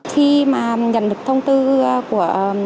khi mà nhận được thông tư của